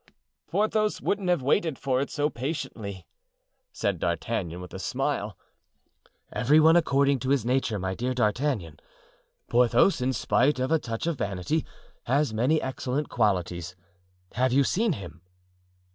"Porthos wouldn't have waited for it so patiently," said D'Artagnan, with a smile. "Every one according to his nature, my dear D'Artagnan. Porthos, in spite of a touch of vanity, has many excellent qualities. Have you seen him?"